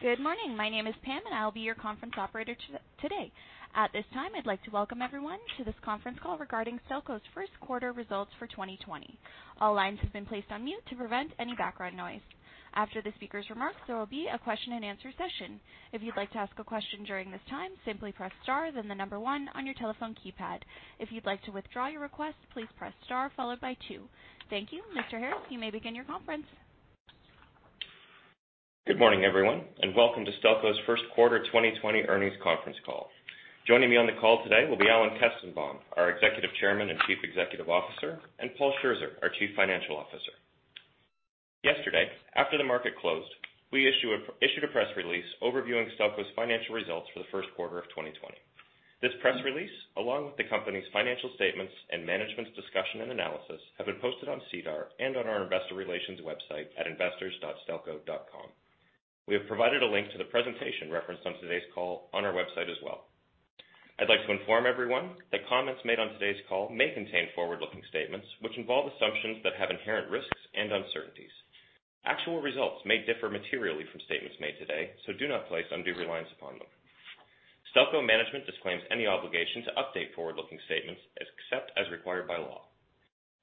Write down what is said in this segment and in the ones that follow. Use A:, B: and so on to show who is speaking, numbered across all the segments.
A: Good morning. My name is Pam and I'll be your conference operator today. At this time, I'd like to welcome everyone to this conference call regarding Stelco's first quarter results for 2020. All lines have been placed on mute to prevent any background noise. After the speaker's remarks, there will be a question and answer session. If you'd like to ask a question during this time, simply press star, then the number one on your telephone keypad. If you'd like to withdraw your request, please press star followed by two. Thank you. Mr. Harris, you may begin your conference.
B: Good morning, everyone, and welcome to Stelco's first quarter 2020 earnings conference call. Joining me on the call today will be Alan Kestenbaum, our Executive Chairman and Chief Executive Officer, and Paul Scherzer, our Chief Financial Officer. Yesterday, after the market closed, we issued a press release overviewing Stelco's financial results for the first quarter of 2020. This press release, along with the company's financial statements and Management's Discussion and Analysis, have been posted on SEDAR and on our investor relations website at investors.stelco.com. We have provided a link to the presentation referenced on today's call on our website as well. I'd like to inform everyone that comments made on today's call may contain forward-looking statements which involve assumptions that have inherent risks and uncertainties. Actual results may differ materially from statements made today, do not place undue reliance upon them. Stelco management disclaims any obligation to update forward-looking statements except as required by law.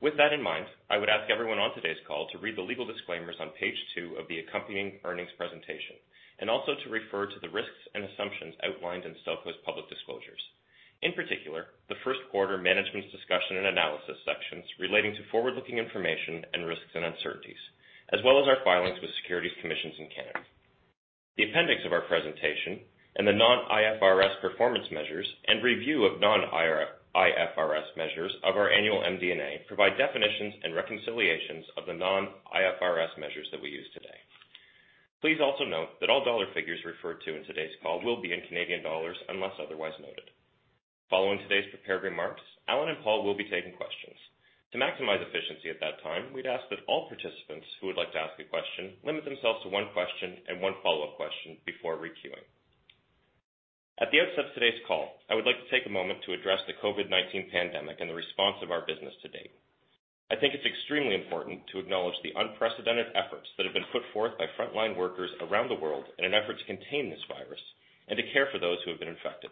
B: With that in mind, I would ask everyone on today's call to read the legal disclaimers on page two of the accompanying earnings presentation, and also to refer to the risks and assumptions outlined in Stelco's public disclosures. In particular, the first quarter management's discussion and analysis sections relating to forward-looking information and risks and uncertainties, as well as our filings with securities commissions in Canada. The appendix of our presentation and the non-IFRS performance measures and review of non-IFRS measures of our annual MD&A provide definitions and reconciliations of the non-IFRS measures that we use today. Please also note that all dollar figures referred to in today's call will be in Canadian dollars, unless otherwise noted. Following today's prepared remarks, Alan and Paul will be taking questions. To maximize efficiency at that time, we'd ask that all participants who would like to ask a question limit themselves to one question and one follow-up question before re-queuing. At the outset of today's call, I would like to take a moment to address the COVID-19 pandemic and the response of our business to date. I think it's extremely important to acknowledge the unprecedented efforts that have been put forth by frontline workers around the world in an effort to contain this virus and to care for those who have been infected.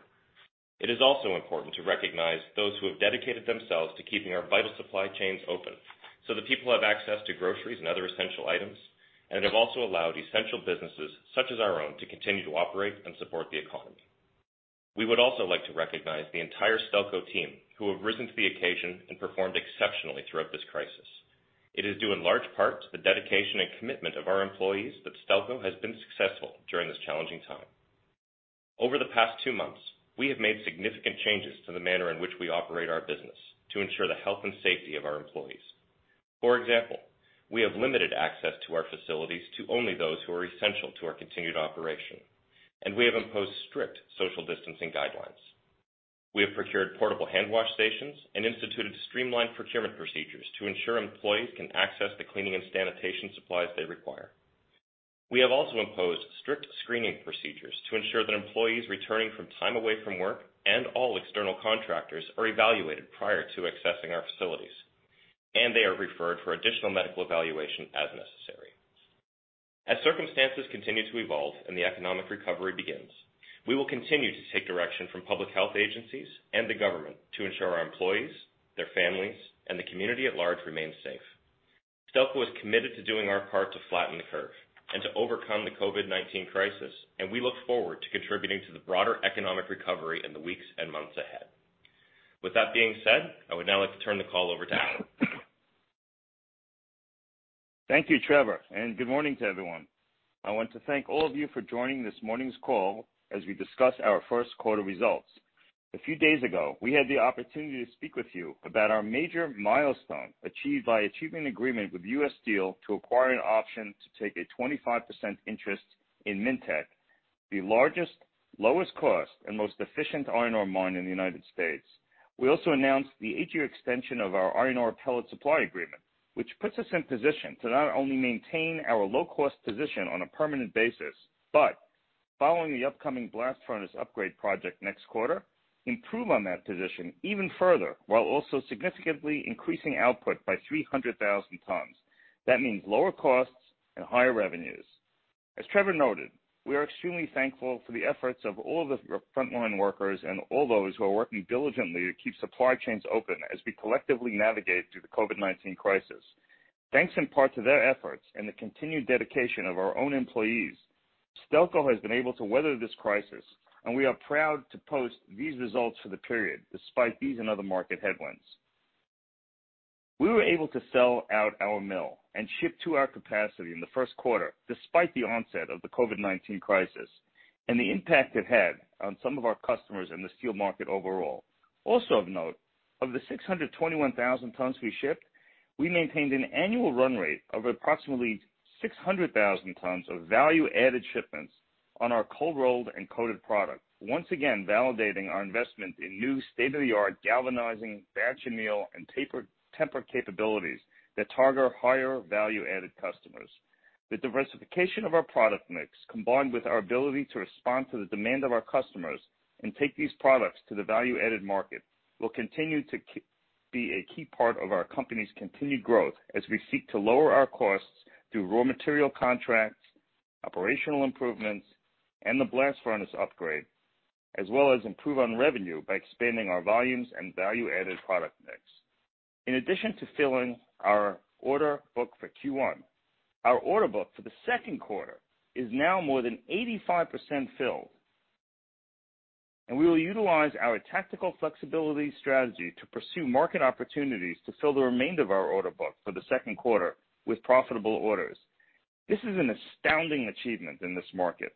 B: It is also important to recognize those who have dedicated themselves to keeping our vital supply chains open so that people have access to groceries and other essential items, and have also allowed essential businesses, such as our own, to continue to operate and support the economy. We would also like to recognize the entire Stelco team who have risen to the occasion and performed exceptionally throughout this crisis. It is due in large part to the dedication and commitment of our employees that Stelco has been successful during this challenging time. Over the past two months, we have made significant changes to the manner in which we operate our business to ensure the health and safety of our employees. For example, we have limited access to our facilities to only those who are essential to our continued operation, and we have imposed strict social distancing guidelines. We have procured portable hand wash stations and instituted streamlined procurement procedures to ensure employees can access the cleaning and sanitation supplies they require. We have also imposed strict screening procedures to ensure that employees returning from time away from work and all external contractors are evaluated prior to accessing our facilities, and they are referred for additional medical evaluation as necessary. As circumstances continue to evolve and the economic recovery begins, we will continue to take direction from public health agencies and the government to ensure our employees, their families, and the community at large remain safe. Stelco is committed to doing our part to flatten the curve and to overcome the COVID-19 crisis. We look forward to contributing to the broader economic recovery in the weeks and months ahead. With that being said, I would now like to turn the call over to Alan.
C: Thank you, Trevor, and good morning to everyone. I want to thank all of you for joining this morning's call as we discuss our first quarter results. A few days ago, we had the opportunity to speak with you about our major milestone achieved by achieving agreement with U.S. Steel to acquire an option to take a 25% interest in Minntac, the largest, lowest cost, and most efficient iron ore mine in the United States. We also announced the eight-year extension of our iron ore pellet supply agreement, which puts us in position to not only maintain our low-cost position on a permanent basis, but following the upcoming blast furnace upgrade project next quarter, improve on that position even further, while also significantly increasing output by 300,000 tons. That means lower costs and higher revenues. As Trevor noted, we are extremely thankful for the efforts of all the frontline workers and all those who are working diligently to keep supply chains open as we collectively navigate through the COVID-19 crisis. Thanks in part to their efforts and the continued dedication of our own employees, Stelco has been able to weather this crisis, and we are proud to post these results for the period, despite these and other market headwinds. We were able to sell out our mill and ship to our capacity in the first quarter, despite the onset of the COVID-19 crisis and the impact it had on some of our customers in the steel market overall. Also of note, of the 621,000 tons we shipped, we maintained an annual run rate of approximately 600,000 tons of value-added shipments on our cold rolled and coated product, once again validating our investment in new state-of-the-art galvanizing batch anneal and temper capabilities that target higher value-added customers. The diversification of our product mix, combined with our ability to respond to the demand of our customers and take these products to the value-added market, will continue to be a key part of our company's continued growth as we seek to lower our costs through raw material contracts, operational improvements, and the blast furnace upgrade, as well as improve on revenue by expanding our volumes and value-added product mix. In addition to filling our order book for Q1, our order book for the second quarter is now more than 85% filled. We will utilize our tactical flexibility strategy to pursue market opportunities to fill the remainder of our order book for the second quarter with profitable orders. This is an astounding achievement in this market,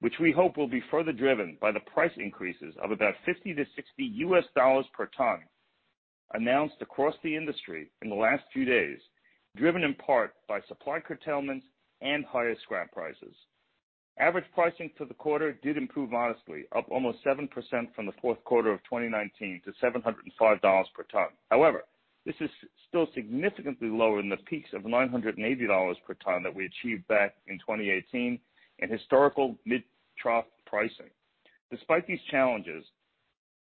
C: which we hope will be further driven by the price increases of about $50-$60 per ton announced across the industry in the last few days, driven in part by supply curtailments and higher scrap prices. Average pricing for the quarter did improve modestly, up almost 7% from the fourth quarter of 2019 to 705 dollars per ton. This is still significantly lower than the peaks of 980 dollars per ton that we achieved back in 2018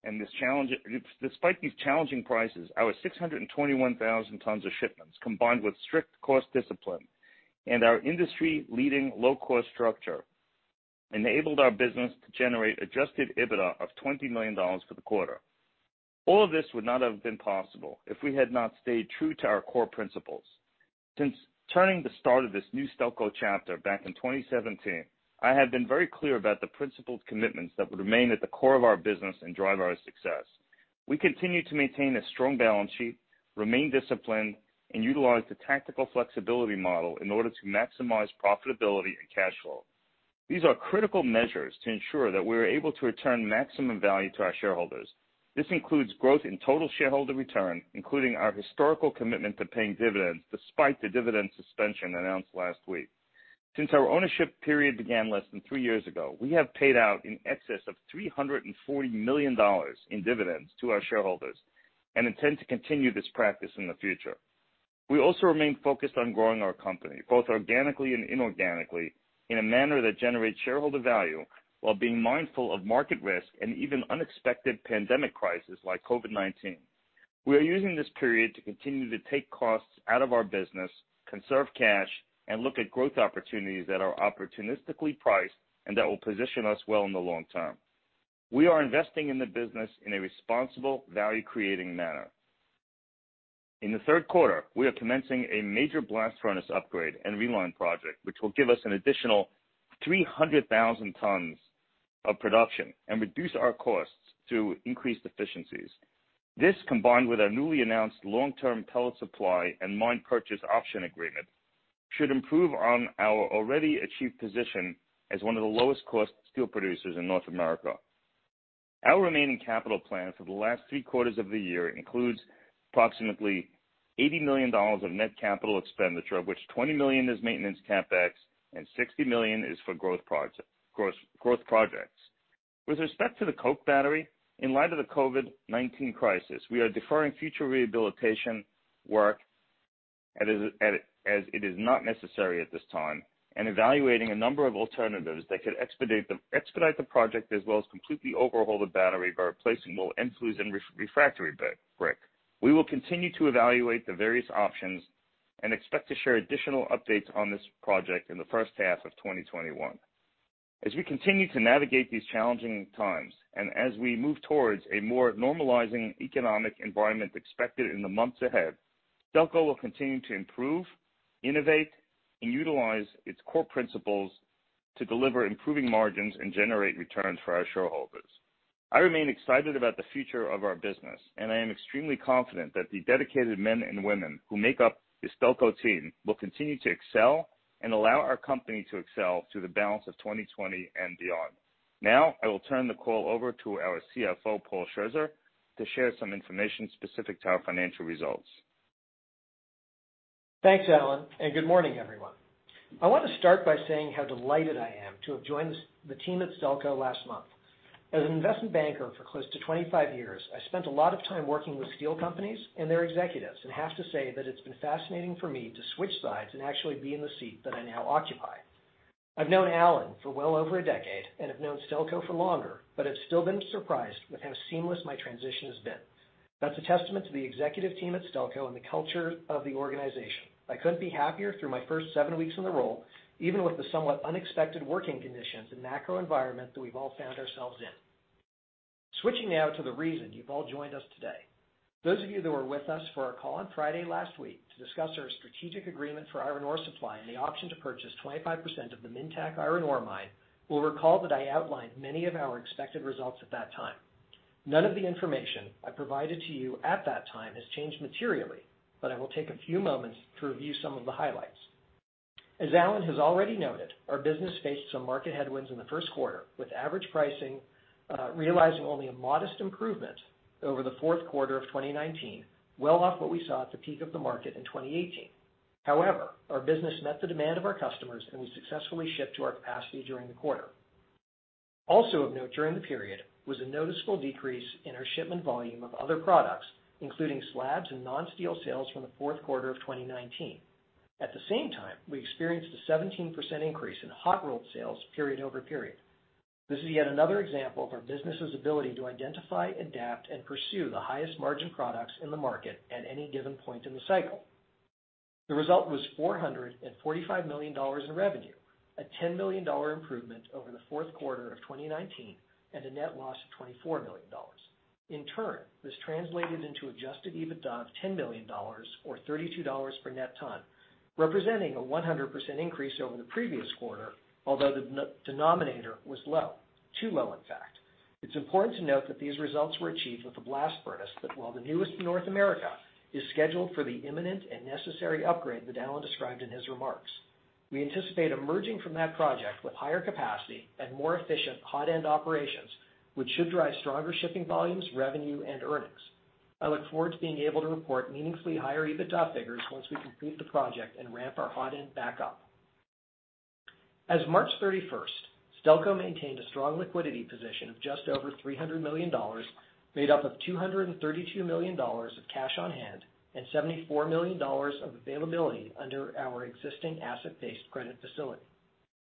C: and historical mid-trough pricing. Despite these challenging prices, our 621,000 tons of shipments, combined with strict cost discipline and our industry-leading low-cost structure, enabled our business to generate adjusted EBITDA of 20 million dollars for the quarter. All of this would not have been possible if we had not stayed true to our core principles. Since turning the start of this new Stelco chapter back in 2017, I have been very clear about the principled commitments that would remain at the core of our business and drive our success. We continue to maintain a strong balance sheet, remain disciplined, and utilize the tactical flexibility model in order to maximize profitability and cash flow. These are critical measures to ensure that we are able to return maximum value to our shareholders. This includes growth in total shareholder return, including our historical commitment to paying dividends despite the dividend suspension announced last week. Since our ownership period began less than three years ago, we have paid out in excess of 340 million dollars in dividends to our shareholders and intend to continue this practice in the future. We also remain focused on growing our company, both organically and inorganically, in a manner that generates shareholder value while being mindful of market risk and even unexpected pandemic crises like COVID-19. We are using this period to continue to take costs out of our business, conserve cash, and look at growth opportunities that are opportunistically priced and that will position us well in the long term. We are investing in the business in a responsible, value-creating manner. In the third quarter, we are commencing a major blast furnace upgrade and reline project, which will give us an additional 300,000 tons of production and reduce our costs through increased efficiencies. This, combined with our newly announced long-term pellet supply and mine purchase option agreement, should improve on our already achieved position as one of the lowest-cost steel producers in North America. Our remaining capital plan for the last three quarters of the year includes approximately 80 million dollars of net capital expenditure, of which 20 million is maintenance CapEx and 60 million is for growth projects. With respect to the coke battery, in light of the COVID-19 crisis, we are deferring future rehabilitation work as it is not necessary at this time and evaluating a number of alternatives that could expedite the project as well as completely overhaul the battery by replacing more flues and refractory brick. We will continue to evaluate the various options and expect to share additional updates on this project in the first half of 2021. As we continue to navigate these challenging times, and as we move towards a more normalizing economic environment expected in the months ahead, Stelco will continue to improve, innovate, and utilize its core principles to deliver improving margins and generate returns for our shareholders. I remain excited about the future of our business, and I am extremely confident that the dedicated men and women who make up the Stelco team will continue to excel and allow our company to excel through the balance of 2020 and beyond. Now, I will turn the call over to our CFO, Paul Scherzer, to share some information specific to our financial results.
D: Thanks, Alan. Good morning, everyone. I want to start by saying how delighted I am to have joined the team at Stelco last month. As an investment banker for close to 25 years, I spent a lot of time working with steel companies and their executives, and have to say that it's been fascinating for me to switch sides and actually be in the seat that I now occupy. I've known Alan for well over a decade and have known Stelco for longer, but have still been surprised with how seamless my transition has been. That's a testament to the executive team at Stelco and the culture of the organization. I couldn't be happier through my first seven weeks in the role, even with the somewhat unexpected working conditions and macro environment that we've all found ourselves in. Switching now to the reason you've all joined us today. Those of you that were with us for our call on Friday last week to discuss our strategic agreement for iron ore supply and the option to purchase 25% of the Minntac iron ore mine will recall that I outlined many of our expected results at that time. None of the information I provided to you at that time has changed materially, but I will take a few moments to review some of the highlights. As Alan has already noted, our business faced some market headwinds in the first quarter, with average pricing realizing only a modest improvement over the fourth quarter of 2019, well off what we saw at the peak of the market in 2018. However, our business met the demand of our customers, and we successfully shipped to our capacity during the quarter. Also of note during the period was a noticeable decrease in our shipment volume of other products, including slabs and non-steel sales from the fourth quarter of 2019. At the same time, we experienced a 17% increase in hot rolled sales period-over-period. This is yet another example of our business's ability to identify, adapt, and pursue the highest margin products in the market at any given point in the cycle. The result was 445 million dollars in revenue, a 10 million dollar improvement over the fourth quarter of 2019, and a net loss of 24 million dollars. In turn, this translated into adjusted EBITDA of 10 million dollars, or 32 dollars per net ton, representing a 100% increase over the previous quarter, although the denominator was low. Too low, in fact. It's important to note that these results were achieved with a blast furnace that, while the newest in North America, is scheduled for the imminent and necessary upgrade that Alan described in his remarks. We anticipate emerging from that project with higher capacity and more efficient hot-end operations, which should drive stronger shipping volumes, revenue, and earnings. I look forward to being able to report meaningfully higher EBITDA figures once we complete the project and ramp our hot end back up. As March 31st, Stelco maintained a strong liquidity position of just over 300 million dollars, made up of 232 million dollars of cash on hand and 74 million dollars of availability under our existing asset-based credit facility.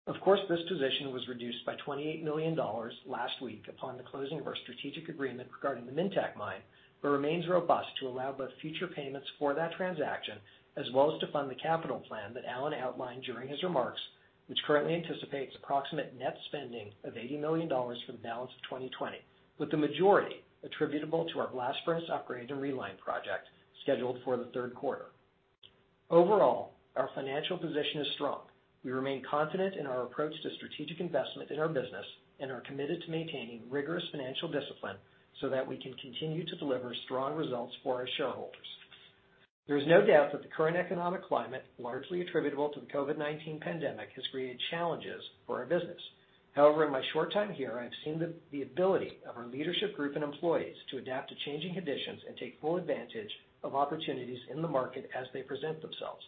D: Of course, this position was reduced by 28 million dollars last week upon the closing of our strategic agreement regarding the Minntac mine. Remains robust to allow both future payments for that transaction, as well as to fund the capital plan that Alan outlined during his remarks, which currently anticipates approximate net spending of 80 million dollars for the balance of 2020. With the majority attributable to our blast furnace upgrade and reline project scheduled for the third quarter. Overall, our financial position is strong. We remain confident in our approach to strategic investment in our business and are committed to maintaining rigorous financial discipline so that we can continue to deliver strong results for our shareholders. There is no doubt that the current economic climate, largely attributable to the COVID-19 pandemic, has created challenges for our business. However, in my short time here, I have seen the ability of our leadership group and employees to adapt to changing conditions and take full advantage of opportunities in the market as they present themselves.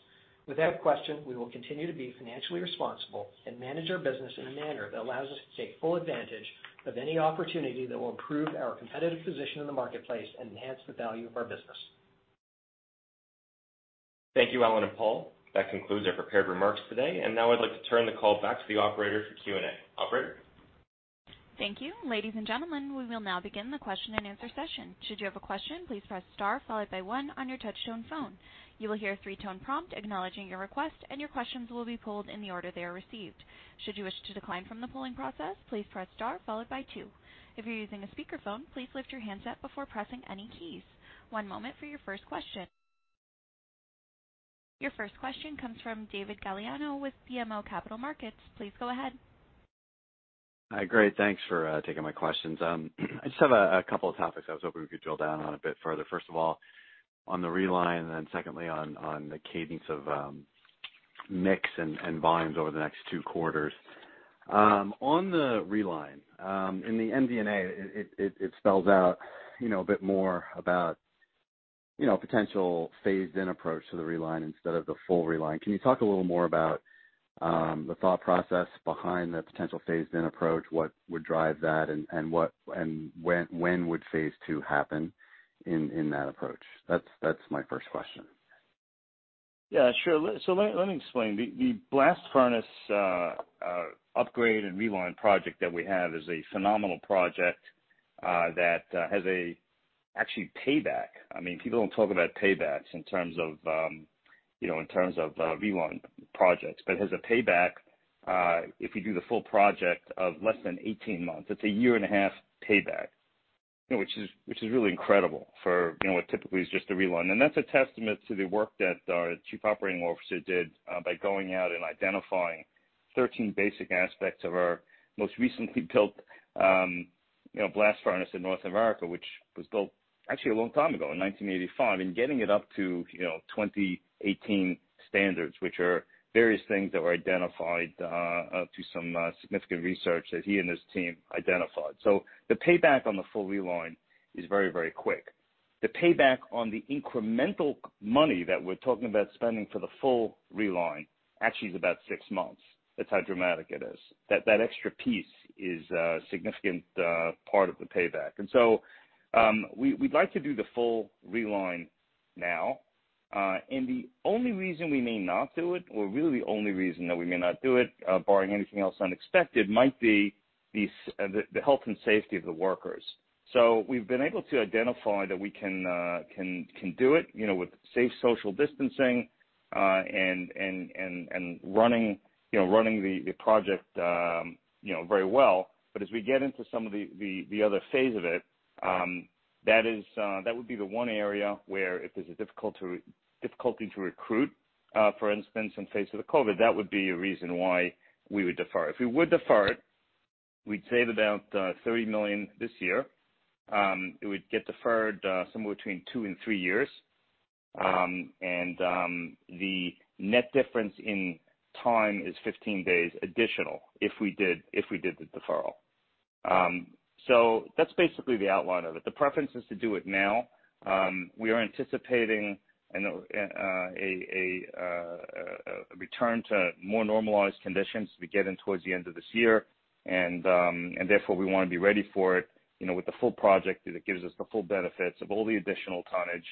D: Without question, we will continue to be financially responsible and manage our business in a manner that allows us to take full advantage of any opportunity that will improve our competitive position in the marketplace and enhance the value of our business.
B: Thank you, Alan and Paul. That concludes our prepared remarks today, and now I'd like to turn the call back to the operator for Q&A. Operator?
A: Thank you. Ladies and gentlemen, we will now begin the question and answer session. Should you have a question, please press star followed by one on your touch-tone phone. You will hear a three-tone prompt acknowledging your request, and your questions will be pulled in the order they are received. Should you wish to decline from the polling process, please press star followed by two. If you're using a speakerphone, please lift your handset before pressing any keys. One moment for your first question. Your first question comes from David Gagliano with BMO Capital Markets. Please go ahead.
E: Hi. Great. Thanks for taking my questions. I just have a couple of topics I was hoping we could drill down on a bit further. First of all, on the reline, and then secondly on the cadence of mix and volumes over the next two quarters. On the reline. In the MD&A, it spells out a bit more about potential phased-in approach to the reline instead of the full reline. Can you talk a little more about the thought process behind the potential phased-in approach? What would drive that, and when would phase II happen in that approach? That's my first question.
D: Yeah, sure. Let me explain. The blast furnace upgrade and reline project that we have is a actually payback. People don't talk about paybacks in terms of reline projects. Has a payback if you do the full project of less than 18 months. It's a year and a half payback, which is really incredible for what typically is just a reline. That's a testament to the work that our Chief Operating Officer did by going out and identifying 13 basic aspects of our most recently built blast furnace in North America, which was built actually a long time ago in 1985, and getting it up to 2018 standards, which are various things that were identified to some significant research that he and his team identified. The payback on the full reline is very quick.
C: The payback on the incremental money that we're talking about spending for the full reline actually is about six months. That's how dramatic it is. That extra piece is a significant part of the payback. We'd like to do the full reline now. The only reason we may not do it, or really the only reason that we may not do it, barring anything else unexpected, might be the health and safety of the workers. We've been able to identify that we can do it with safe social distancing and running the project very well. As we get into some of the other phase of it, that would be the one area where if there's a difficulty to recruit, for instance, in the face of the COVID, that would be a reason why we would defer. If we would defer it, we'd save about 30 million this year. It would get deferred somewhere between two and three years. The net difference in time is 15 days additional if we did the deferral. That's basically the outline of it. The preference is to do it now. We are anticipating a return to more normalized conditions as we get in towards the end of this year, and therefore, we want to be ready for it with the full project. It gives us the full benefits of all the additional tonnage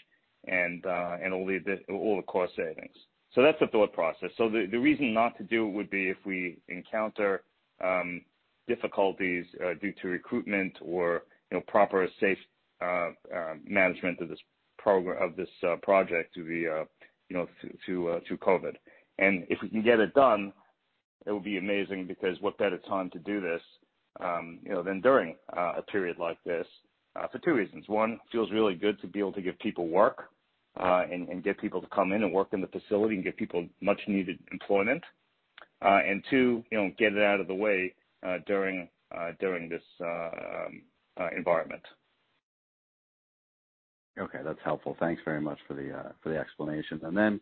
C: and all the cost savings. That's the thought process. The reason not to do it would be if we encounter difficulties due to recruitment or proper safe management of this project due to COVID-19. If we can get it done It will be amazing because what better time to do this than during a period like this? For two reasons. One, it feels really good to be able to give people work, and get people to come in and work in the facility and give people much needed employment. Two, get it out of the way during this environment.
E: Okay. That's helpful. Thanks very much for the explanation. Then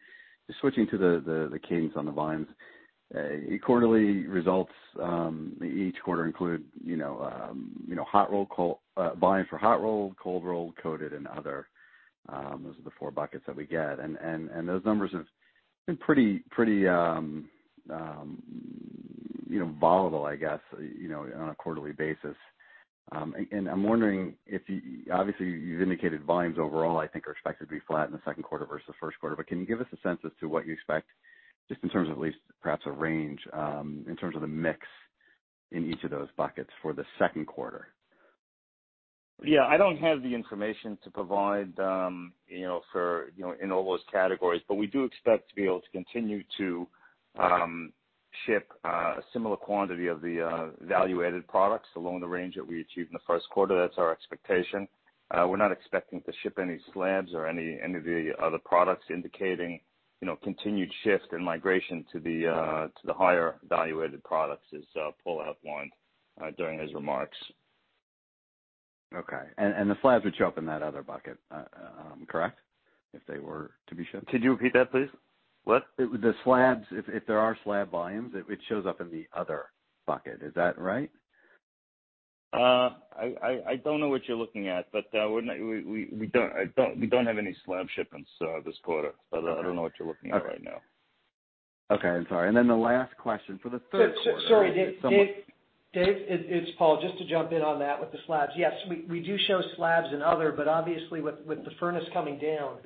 E: switching to the kings on the vines. Quarterly results, each quarter include volumes for hot rolled, cold rolled coated and other. Those are the four buckets that we get, and those numbers have been pretty volatile, I guess, on a quarterly basis. I'm wondering if obviously you've indicated volumes overall, I think, are expected to be flat in the second quarter versus the first quarter, but can you give us a sense as to what you expect, just in terms of at least perhaps a range, in terms of the mix in each of those buckets for the second quarter?
C: Yeah, I don't have the information to provide in all those categories. We do expect to be able to continue to ship a similar quantity of the value-added products along the range that we achieved in the first quarter. That's our expectation. We're not expecting to ship any slabs or any of the other products indicating continued shift and migration to the higher value-added products as Paul outlined during his remarks.
E: Okay. The slabs would show up in that other bucket, correct? If they were to be shipped.
C: Could you repeat that, please? What?
E: The slabs, if there are slab volumes, it shows up in the other bucket. Is that right?
C: I don't know what you're looking at, but we don't have any slab shipments this quarter. I don't know what you're looking at right now.
E: Okay. I'm sorry. The last question for the third quarter.
D: Sorry, Dave. It's Paul. Just to jump in on that with the slabs, yes, we do show slabs in other, but obviously with the furnace coming down,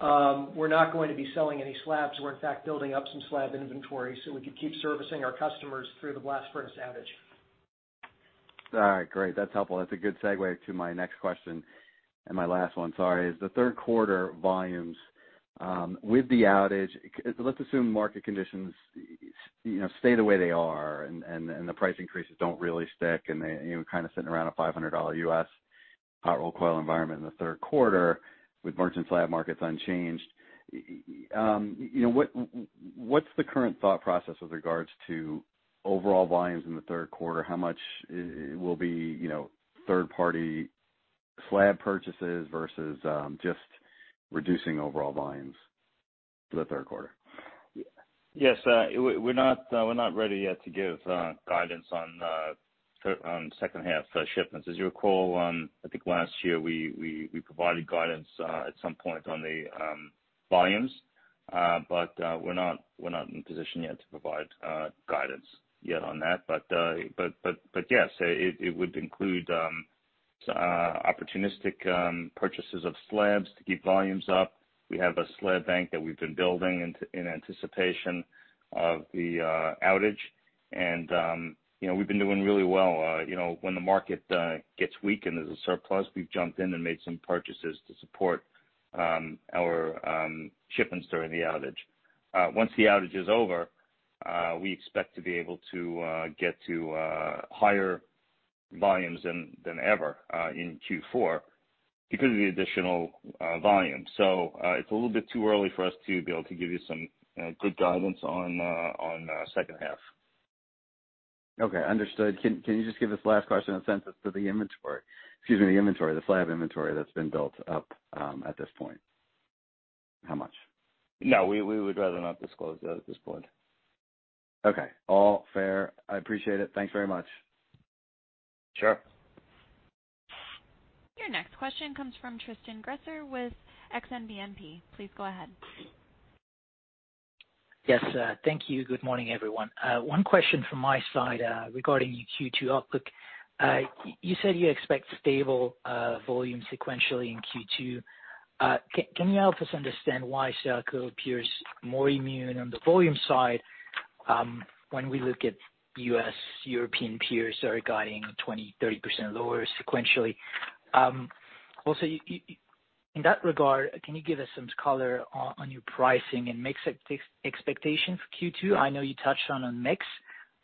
D: we're not going to be selling any slabs. We're in fact building up some slab inventory so we can keep servicing our customers through the blast furnace outage.
E: All right, great. That's helpful. That's a good segue to my next question, and my last one, sorry. Is the third quarter volumes with the outage, let's assume market conditions stay the way they are, and the price increases don't really stick, and you're kind of sitting around a $500 U.S. hot rolled coil environment in the third quarter with merchant slab markets unchanged? What's the current thought process with regards to overall volumes in the third quarter? How much will be third-party slab purchases versus just reducing overall volumes for the third quarter?
C: Yes. We're not ready yet to give guidance on the second half shipments. As you recall, I think last year, we provided guidance at some point on the volumes. We're not in a position yet to provide guidance yet on that. Yes, it would include opportunistic purchases of slabs to keep volumes up. We have a slab bank that we've been building in anticipation of the outage. We've been doing really well. When the market gets weak and there's a surplus, we've jumped in and made some purchases to support our shipments during the outage. Once the outage is over, we expect to be able to get to higher volumes than ever in Q4 because of the additional volume. It's a little bit too early for us to be able to give you some good guidance on the second half.
E: Okay, understood. Can you just give us, last question, a sense of the inventory, the slab inventory that's been built up at this point? How much?
C: No, we would rather not disclose that at this point.
E: Okay. All fair. I appreciate it. Thanks very much.
C: Sure.
A: Your next question comes from Tristan Gresser with Exane BNP. Please go ahead.
F: Yes, thank you. Good morning, everyone. One question from my side regarding your Q2 outlook. You said you expect stable volume sequentially in Q2. Can you help us understand why Stelco appears more immune on the volume side when we look at U.S., European peers that are guiding 20%, 30% lower sequentially? Also, in that regard, can you give us some color on your pricing and mix expectation for Q2? I know you touched on mix,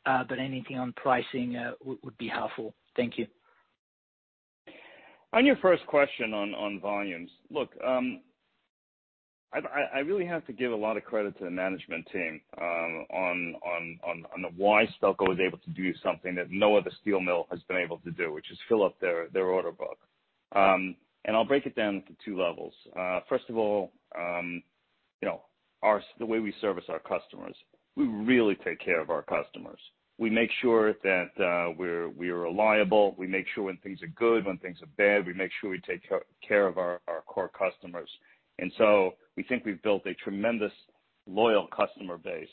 F: but anything on pricing would be helpful. Thank you.
C: On your first question on volumes. Look, I really have to give a lot of credit to the management team on the why Stelco was able to do something that no other steel mill has been able to do, which is fill up their order book. I'll break it down into two levels. First of all, the way we service our customers. We really take care of our customers. We make sure that we're reliable. We make sure when things are good, when things are bad, we make sure we take care of our core customers. So we think we've built a tremendous, loyal customer base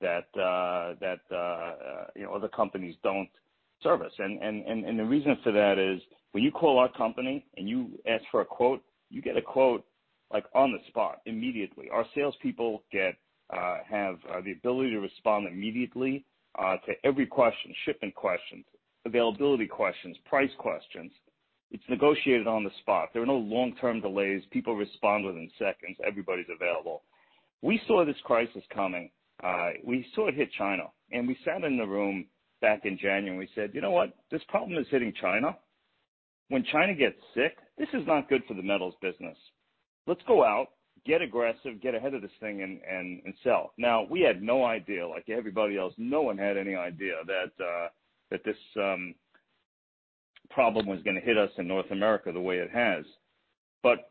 C: that other companies don't service. The reason for that is when you call our company and you ask for a quote, you get a quote on the spot, immediately. Our salespeople have the ability to respond immediately to every question, shipping questions, availability questions, price questions. It's negotiated on the spot. There are no long-term delays. People respond within seconds. Everybody's available. We saw this crisis coming. We saw it hit China. We sat in the room back in January. We said, "You know what? This problem is hitting China. When China gets sick, this is not good for the metals business. Let's go out, get aggressive, get ahead of this thing and sell." We had no idea, like everybody else, no one had any idea that this problem was going to hit us in North America the way it has.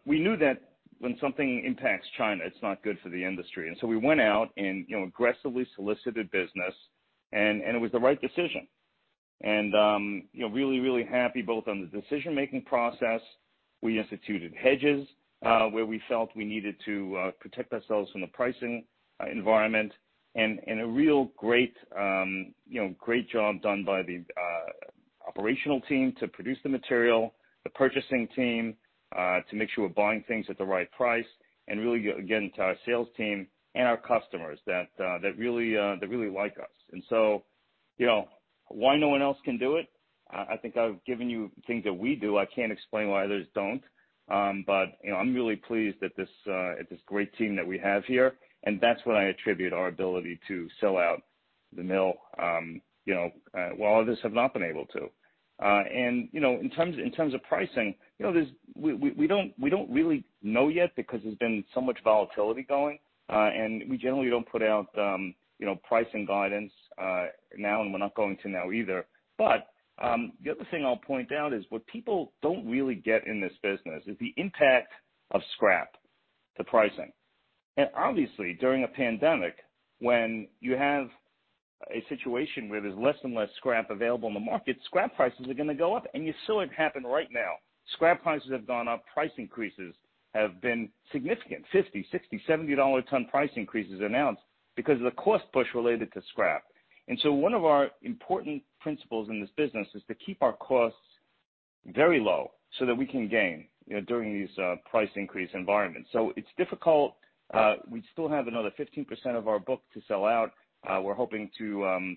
C: We knew that when something impacts China, it's not good for the industry. We went out and aggressively solicited business. It was the right decision. Really happy both on the decision-making process. We instituted hedges, where we felt we needed to protect ourselves from the pricing environment, a real great job done by the operational team to produce the material, the purchasing team to make sure we're buying things at the right price, and really, again, to our sales team and our customers that really like us. Why no one else can do it? I think I've given you things that we do. I can't explain why others don't. I'm really pleased at this great team that we have here, and that's what I attribute our ability to sell out the mill, while others have not been able to. In terms of pricing, we don't really know yet because there's been so much volatility going, and we generally don't put out pricing guidance now, and we're not going to now either. The other thing I'll point out is what people don't really get in this business is the impact of scrap to pricing. Obviously, during a pandemic, when you have a situation where there's less and less scrap available in the market, scrap prices are going to go up, and you see it happen right now. Scrap prices have gone up. Price increases have been significant, $50, $60, $70 a ton price increases announced because of the cost push related to scrap. One of our important principles in this business is to keep our costs very low so that we can gain during these price increase environments. It's difficult. We still have another 15% of our book to sell out. We're hoping to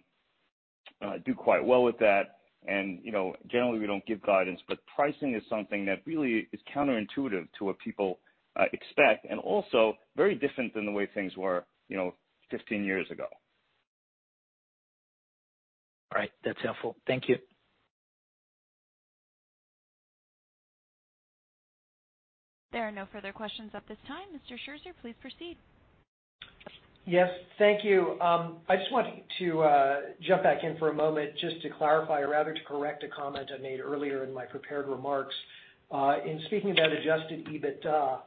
C: do quite well with that. Generally, we don't give guidance, but pricing is something that really is counterintuitive to what people expect, and also very different than the way things were 15 years ago.
F: All right. That's helpful. Thank you.
A: There are no further questions at this time. Mr. Scherzer, please proceed.
D: Yes. Thank you. I just wanted to jump back in for a moment just to clarify or rather to correct a comment I made earlier in my prepared remarks. In speaking about adjusted EBITDA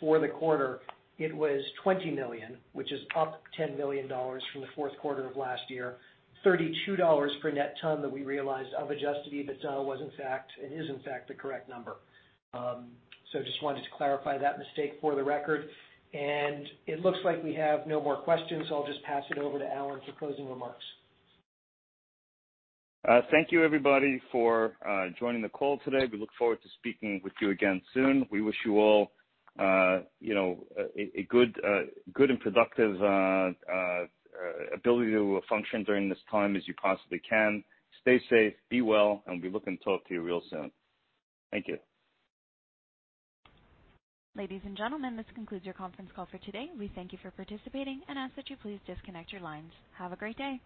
D: for the quarter, it was 20 million, which is up 10 million dollars from the fourth quarter of last year. 32 dollars per net ton that we realized of adjusted EBITDA was in fact, and is in fact, the correct number. Just wanted to clarify that mistake for the record. It looks like we have no more questions. I'll just pass it over to Alan for closing remarks.
C: Thank you, everybody, for joining the call today. We look forward to speaking with you again soon. We wish you all a good and productive ability to function during this time as you possibly can. Stay safe, be well, and we look forward to talk to you real soon. Thank you.
A: Ladies and gentlemen, this concludes your conference call for today. We thank you for participating and ask that you please disconnect your lines. Have a great day.